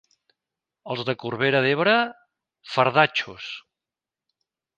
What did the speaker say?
Els de Corbera d'Ebre, fardatxos.